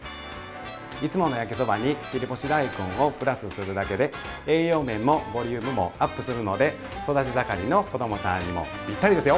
いつもの焼きそばに切り干し大根をプラスするだけで栄養面もボリュームもアップするので育ち盛りの子どもさんにもぴったりですよ！